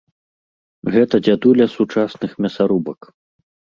Гэта дзядуля сучасных мясарубак!